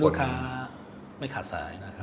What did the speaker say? ลูกค้าไม่ขาดสายนะครับ